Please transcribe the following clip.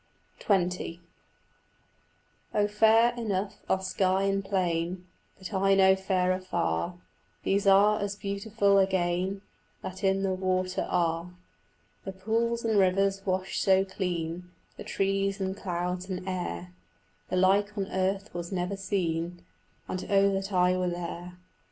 XX Oh fair enough are sky and plain, But I know fairer far: Those are as beautiful again That in the water are; The pools and rivers wash so clean The trees and clouds and air, The like on earth was never seen, And oh that I were there.